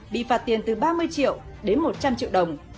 bị phạt tiền từ ba mươi triệu đến một trăm linh triệu đồng